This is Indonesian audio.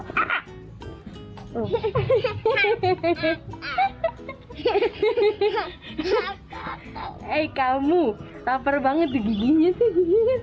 hei kamu lapar banget giginya sih